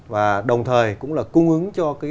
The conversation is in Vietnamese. và đồng thời cũng là cung ứng cho